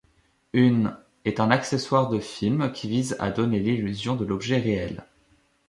Une est un accessoire de film qui vise à donner l'illusion de l'objet réel.